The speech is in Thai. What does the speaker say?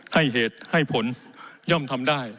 ให้เหตุให้ผลย่อมทำได้